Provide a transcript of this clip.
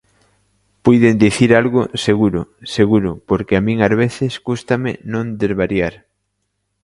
Puiden dicir algo; seguro, seguro, porque a min ás veces cústame non desvariar.